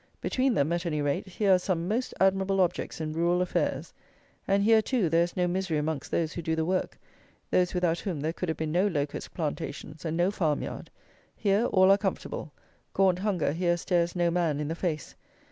Between them, at any rate, here are some most admirable objects in rural affairs. And here, too, there is no misery amongst those who do the work; those without whom there could have been no Locust plantations and no farmyard. Here all are comfortable; gaunt hunger here stares no man in the face.